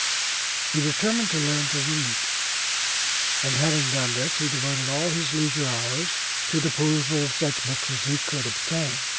He determined to learn to read, and having done this he devoted all his leisure hours to the perusal of such books as he could obtain.